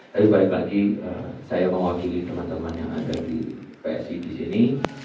tapi balik lagi saya mewakili teman teman yang ada di psi di sini